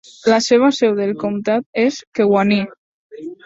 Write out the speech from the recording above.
La seva seu del comtat és Kewanee.